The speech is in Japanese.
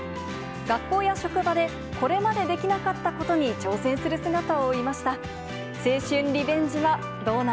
学校や職場で、これまでできなかったことに挑戦する姿を追いました。